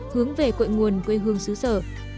hướng về cội nguồn quê hương xứ sở